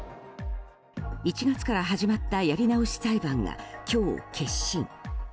１月から始まったやり直し裁判が今日、結審。